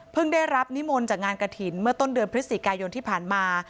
ได้รับนิมนต์จากงานกระถิ่นเมื่อต้นเดือนพฤศจิกายนที่ผ่านมา